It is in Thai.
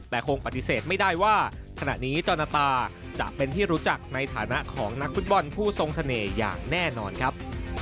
แต่คงปฏิเสธไม่ได้ว่าขณะนี้จรตาจะเป็นที่รู้จักในฐานะของนักฟุตบอลผู้ทรงเสน่ห์อย่างแน่นอนครับ